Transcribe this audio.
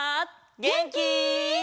げんき？